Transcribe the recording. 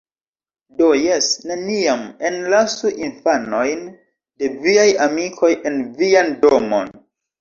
Do jes, neniam enlasu infanojn de viaj amikoj en vian domon.